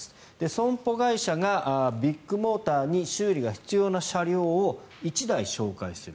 損保会社がビッグモーターに修理が必要な車両を１台紹介する。